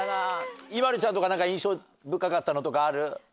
ＩＭＡＬＵちゃんとか何か印象深かったのとかある？